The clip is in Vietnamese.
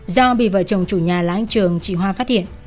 do bị vợ chồng chủ nhà là anh trường chị hoa phát hiện